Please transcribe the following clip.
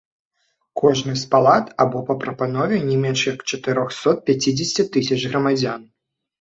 Кожнай з палат, або па прапанове не менш як чатырсот пяцідзесяці тысяч грамадзян.